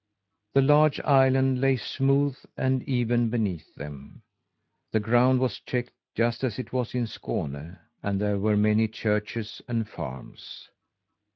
The large island lay smooth and even beneath them. The ground was checked just as it was in Skåne and there were many churches and farms.